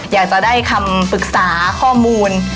อยากจะได้คำปรึกษาข้อมูล